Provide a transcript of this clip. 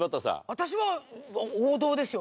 私は王道ですよ。